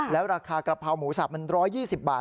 แล้วราคากระเพราหมูสับมัน๑๒๐บาท